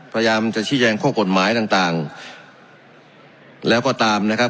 พยายามจะชี้แจงข้อกฎหมายต่างต่างแล้วก็ตามนะครับ